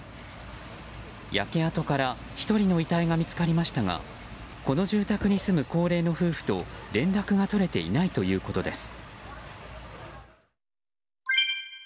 焼け跡から１人の遺体が見つかりましたがこの住宅に住む高齢の夫婦と連絡が取れていないということです。